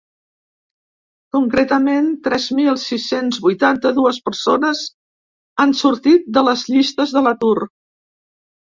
Concretament tres mil sis-cents vuitanta-dues persones han sortit de les llistes de l’atur.